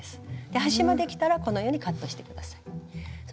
端まできたらこのようにカットして下さい。